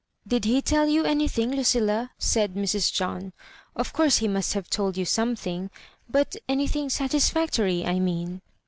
'' Did he tell you anything, Lucilla ?" said Mrs. John ;" of course he must have told you some thing — ^but anything satisfactory, I mean."